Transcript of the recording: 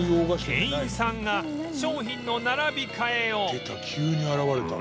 店員さんが商品の並び替えを出た。